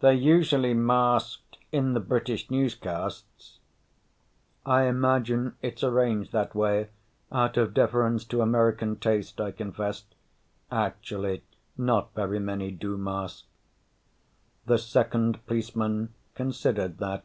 "They're usually masked in the British newscasts." "I imagine it's arranged that way out of deference to American taste," I confessed. "Actually, not very many do mask." The second policeman considered that.